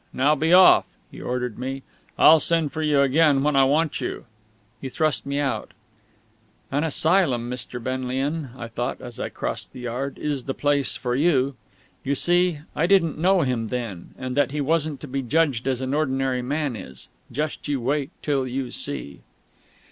Now be off!" he ordered me. "I'll send for you again when I want you!" He thrust me out. "An asylum, Mr. Benlian," I thought as I crossed the yard, "is the place for you!" You see, I didn't know him then, and that he wasn't to be judged as an ordinary man is. Just you wait till you see....